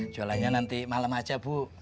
jualannya nanti malam aja bu